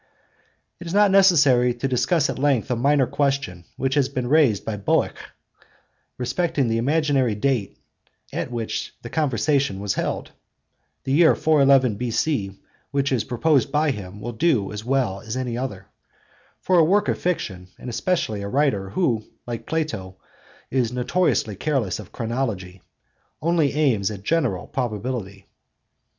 It is not necessary to discuss at length a minor question which has been raised by Boeckh, respecting the imaginary date at which the conversation was held (the year 411 B.C. which is proposed by him will do as well as any other); for a writer of fiction, and especially a writer who, like Plato, is notoriously careless of chronology (cp. Rep., Symp., 193 A, etc.), only aims at general probability.